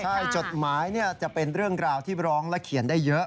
ใช่จดหมายจะเป็นเรื่องราวที่ร้องและเขียนได้เยอะ